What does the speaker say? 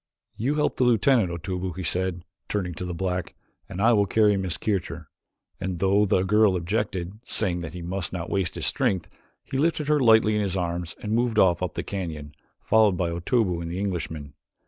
"You help the lieutenant, Otobu," he said, turning to the black, "and I will carry Miss Kircher," and though the girl objected, saying that he must not waste his strength, he lifted her lightly in his arms and moved off up the canyon, followed by Otobu and the Englishman.